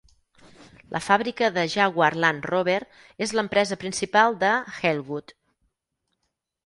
La fàbrica de Jaguar Land Rover és l'empresa principal de Halewood.